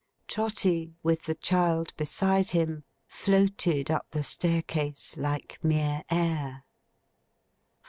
Trotty, with the child beside him, floated up the staircase like mere air. 'Follow her!